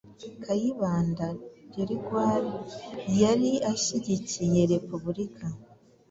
Kayibanda Grégoire yari ashyigikiye Repubulika,